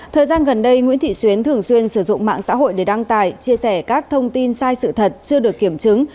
thời gian gần đây nguyễn thị xuyến thường xuyên sử dụng mạng xã hội để đăng tải chia sẻ các thông tin sai sự thật chưa được kiểm chứng